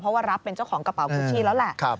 เพราะว่ารับเป็นเจ้าของกระเป๋าคุกชี่แล้วแหละ